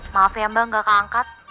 maaf ya mbak gak keangkat